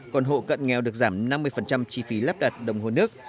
còn hộ cận nghèo được giảm năm mươi chi phí lắp đặt đồng hồ nước